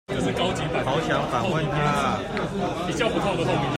好想訪問他啊！